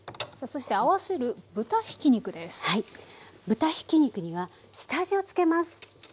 豚ひき肉には下味をつけます。